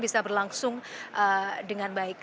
bisa berlangsung dengan baik